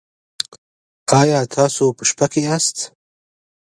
ایا تاسو په شپه کې یاست؟